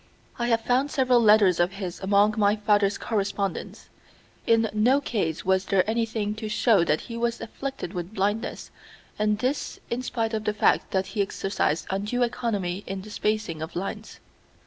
I have found several letters of his among my father's correspondence. In no case was there anything to show that he was afflicted with blindness and this in spite of the fact that he exercised undue economy in the spacing of lines.